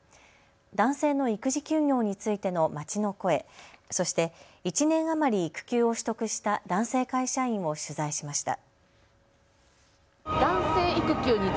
男性の育児休業についての街の声、そして１年余り育休を取得した男性会社員を取材しました。